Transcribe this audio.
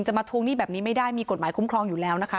มาทวงหนี้แบบนี้ไม่ได้มีกฎหมายคุ้มครองอยู่แล้วนะคะ